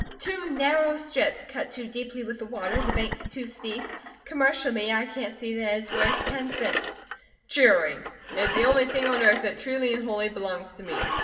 It's too narrow a strip, cut too deeply with the water, the banks too steep. Commercially, I can't see that it is worth ten cents." "Cheering! It is the only thing on earth that truly and wholly belongs to me.